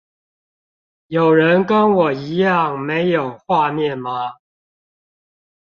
有人跟我一樣沒有畫面嗎？